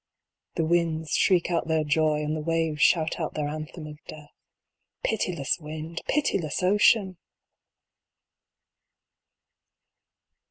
The winds shriek out their joy, and the waves shout out their anthem of Death. Pitiless wind ! Pitiless ocean